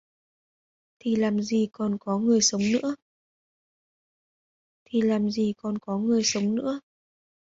thì làm gì còn có người sống nữa